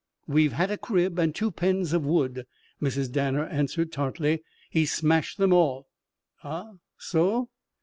"We've had a crib and two pens of wood," Mrs. Danner answered tartly. "He smashed them all." "Ah? So?"